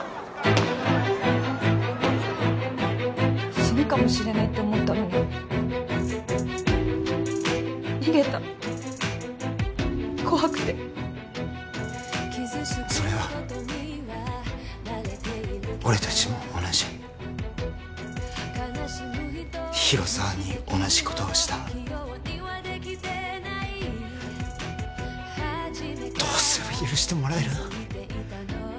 死ぬかもしれないって思ったのに逃げた怖くてそれは俺達も同じ広沢に同じことをしたどうすれば許してもらえる？